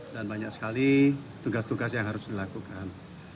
dan banyak sekali tugas tugas yang harus dilakukan